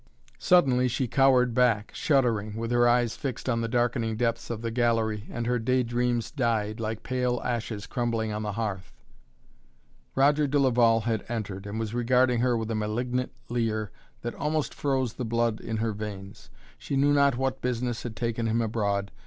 Suddenly she cowered back, shuddering, with her eyes fixed on the darkening depths of the gallery and her day dreams died, like pale ashes crumbling on the hearth. Roger de Laval had entered and was regarding her with a malignant leer that almost froze the blood in her veins. She knew not what business had taken him abroad.